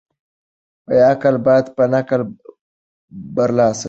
عقل بايد په نقل برلاسی وي.